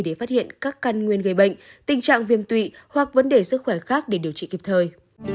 để phát hiện các căn nguyên gây bệnh tình trạng viêm tụy hoặc vấn đề sức khỏe khác để điều trị kịp thời